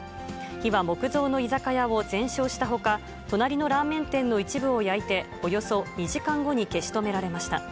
火は木造の居酒屋を全焼したほか、隣のラーメン店の一部を焼いて、およそ２時間後に消し止められました。